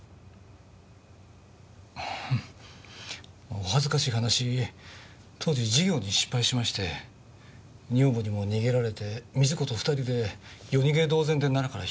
お恥ずかしい話当時事業に失敗しまして女房にも逃げられて瑞子と２人で夜逃げ同然で奈良から引っ越したんです。